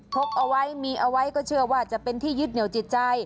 กเอาไว้มีเอาไว้ก็เชื่อว่าจะเป็นที่ยึดเหนียวจิตใจ